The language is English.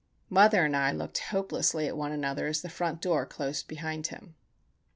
Mother and I looked hopelessly at one another as the front door closed behind him.